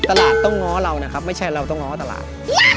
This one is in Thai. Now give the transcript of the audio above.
ตลาดต้องง้อเรานะครับไม่ใช่เราต้องง้อตลาด